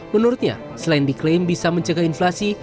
menurutnya selain diklaim bisa mencegah inflasi